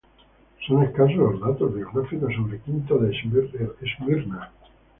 Son escasos los datos biográficos sobre Quinto de Esmirna.